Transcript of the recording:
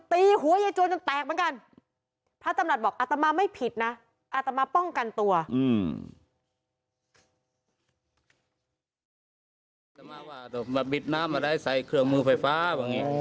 ตีหัวใยจวนจนแตกเหมือนกัน